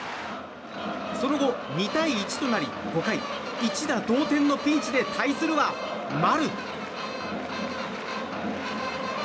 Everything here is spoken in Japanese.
その後、２対１となり５回、一打同点のピンチで対するは、丸。